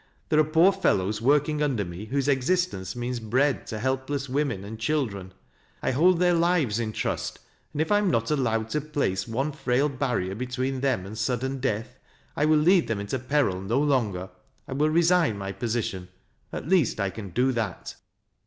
There are poor fellows working under me whose existence means bread to helpless women and children. I hold their lives in trust, and if I am not allowed to place one frail barrier between them and sud den death, I will lead them into peril no longer, — 1 will resign my position. At least I can do that."